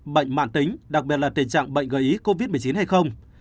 bệnh mạng tính đặc biệt là tình trạng bệnh gợi ý covid một mươi chín hay không